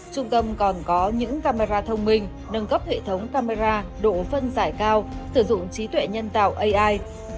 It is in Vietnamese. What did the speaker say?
trung tâm còn có những camera thông minh nâng cấp hệ thống camera độ phân giải cao sử dụng trí tuệ nhân tạo ai